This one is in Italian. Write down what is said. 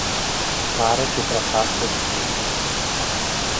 Pare si trattasse di tifo.